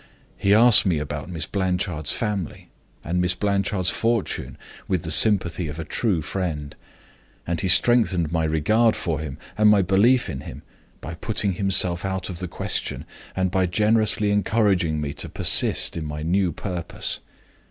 He asked me about Miss Blanchard's family and Miss Blanchard's fortune with the sympathy of a true friend; and he strengthened my regard for him, and my belief in him, by putting himself out of the question, and by generously encouraging me to persist in my new purpose.